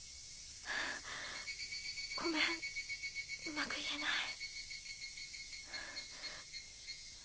ごめんうまく言えない。